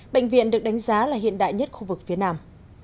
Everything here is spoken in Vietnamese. bệnh viện được đánh giá là hiện đại nhất khu vực phía nam